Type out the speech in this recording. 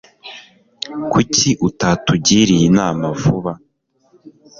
Kuki utatugiriye inama vuba